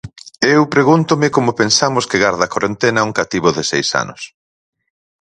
E eu pregúntome como pensamos que garda corentena un cativo de seis anos.